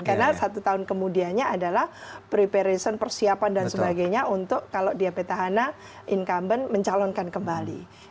karena satu tahun kemudiannya adalah preparation persiapan dan sebagainya untuk kalau dia petahana incumbent mencalonkan kembali